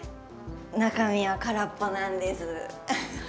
中身は空っぽなんです。